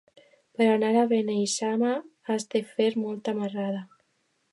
Per anar a Beneixama has de fer molta marrada.